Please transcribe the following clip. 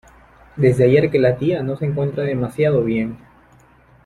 Desde ayer que la tía no se encuentra demasiado bien.